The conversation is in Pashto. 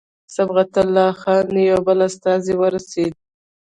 صبغت الله خان یو بل استازی ورسېدی.